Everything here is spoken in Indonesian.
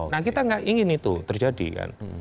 nah kita nggak ingin itu terjadi kan